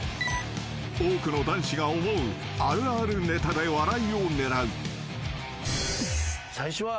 ［多くの男子が思うあるあるネタで笑いを狙う］